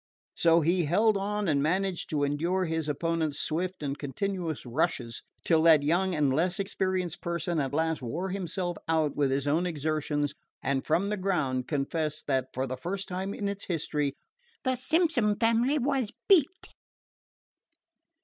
So he held on and managed to endure his opponent's swift and continuous rushes till that young and less experienced person at last wore himself out with his own exertions, and from the ground confessed that, for the first time in its history, the "Simpson fambly was beat."